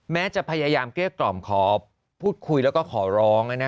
แม้จะพยายามเกลี้ยกล่อมขอพูดคุยแล้วก็ขอร้อง